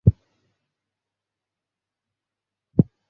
Baby, তা তো অবশ্যই।